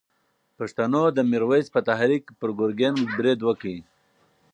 پښتنو د میرویس په تحریک پر ګرګین برید وکړ.